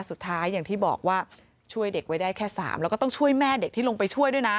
อย่างที่บอกว่าช่วยเด็กไว้ได้แค่๓แล้วก็ต้องช่วยแม่เด็กที่ลงไปช่วยด้วยนะ